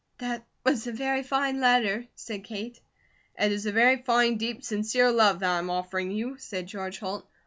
"That was a very fine letter," said Kate. "It is a very fine, deep, sincere love that I am offering you," said George Holt.